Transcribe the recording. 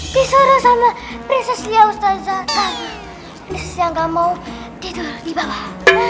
disuruh sama prinsip ya ustazah yang gak mau tidur di bawah